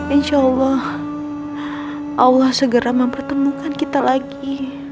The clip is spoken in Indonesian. insyaallah allah segera mempertemukan kita lagi